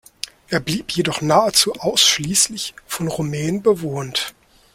Er blieb jedoch nahezu ausschließlich von Rumänen bewohnt.